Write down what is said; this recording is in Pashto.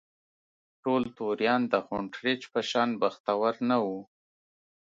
ټول توریان د هونټریج په شان بختور نه وو.